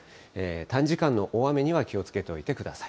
短時間の大雨には気をつけといてください。